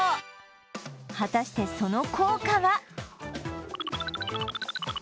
果たして、その効果は？